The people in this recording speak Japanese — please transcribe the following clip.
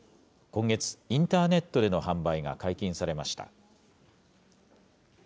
今月、インターネットでの販売が解禁されました。